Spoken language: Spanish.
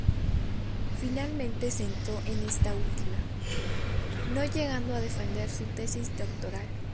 Finalmente centró en esta última, no llegando a defender su tesis doctoral.